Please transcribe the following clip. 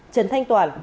trần thanh toàn